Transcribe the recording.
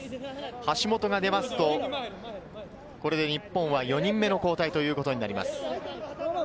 橋本が出ますと、日本は４人目の交代ということになります。